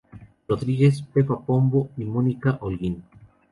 Rodríguez, Pepa Pombo Y Mónica Holguín.